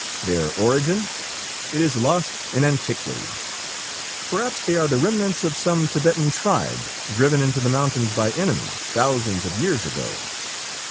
Their origin? It is lost in antiquity. Perhaps they are the remnants of some Tibetan tribe driven into the mountains by enemies, thousands of years ago.